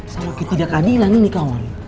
salah kita tidak adilan ini kawan